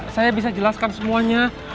saya bisa jelaskan semuanya